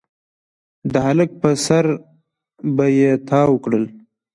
د هلک پر سر به يې تاو کړل.